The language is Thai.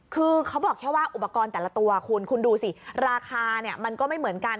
คือเขาบอกแค่ว่าอุปกรณ์แต่ละตัวคุณคุณดูสิราคามันก็ไม่เหมือนกัน